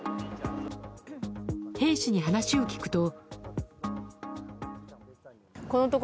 兵士に話を聞くと。